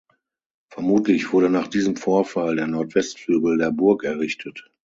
Vermutlich wurde nach diesem Vorfall der Nordwestflügel der Burg errichtet.